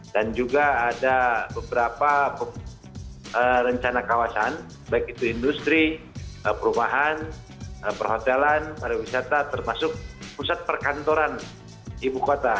dan juga ada beberapa rencana kawasan baik itu industri perumahan perhotelan pariwisata termasuk pusat perkantoran ibu kota